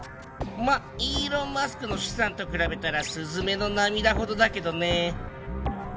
まあイーロン・マスクの資産と比べたらすずめの涙ほどだけどね。